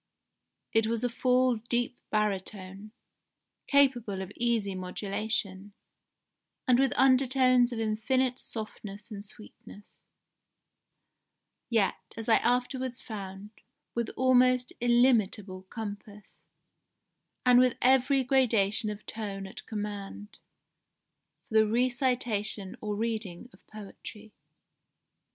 It was a full deep baritone, capable of easy modulation, and with undertones of infinite softness and sweetness, yet, as I afterwards found, with almost illimitable compass, and with every gradation of tone at command, for the recitation or reading of poetry."